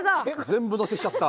全部乗せしちゃった。